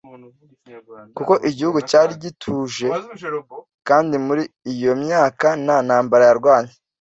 kuko igihugu cyari gituje kandi muri iyo myaka nta ntambara yarwanye